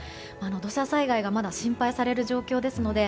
土砂災害がまだ心配される状況ですので